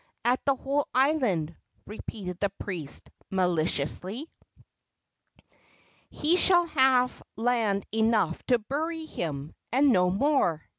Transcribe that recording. "At the whole island," repeated the priest, maliciously. "He shall have land enough to bury him, and no more!"